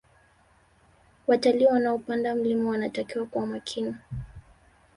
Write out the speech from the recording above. Watalii wanaopanda mlima wanatakiwa kuwa makini